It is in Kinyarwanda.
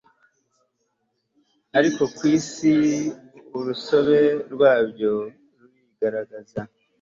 ariko ku isi hose urusobe rwabyo rurigaragaza